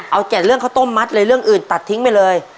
เอาแก่เรื่องข้าวต้มมัดเลยเรื่องอื่นตัดทิ้งไปเลย